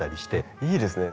いいですね。